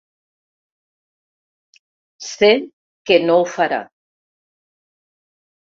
Sé que no ho farà.